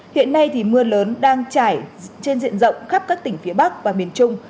hiện nay thì mưa lớn đang trải trên diện rộng khắp các tỉnh phía bắc và miền trung